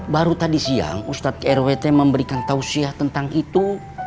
baru tadi siang ustadz rwt memberikan tausiah tentang itu